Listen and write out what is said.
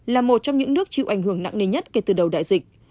là một trong những nước chịu ảnh hưởng nặng nề nhất kể từ đầu đại dịch